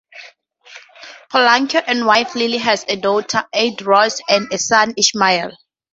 Polanco and wife Lily have a daughter, Aide Rose, and a son, Ishmael.